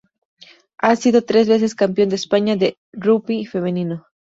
Ha sido tres veces campeón de España de rugby femenino.